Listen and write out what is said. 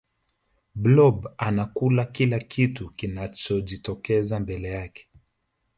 blob anakula kila kitu kinachojitokeza mbele yake